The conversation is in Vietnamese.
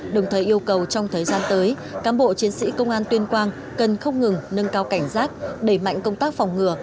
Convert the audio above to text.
đồng thời yêu cầu trong thời gian tới cán bộ chiến sĩ công an tuyên quang cần không ngừng nâng cao cảnh giác đẩy mạnh công tác phòng ngừa